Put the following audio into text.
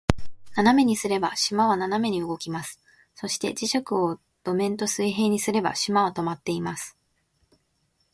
斜めにすれば、島は斜めに動きます。そして、磁石を土面と水平にすれば、島は停まっています。